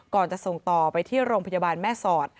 ก่อนจะส่งต่อไปที่โรงพยาบาลแม่สอด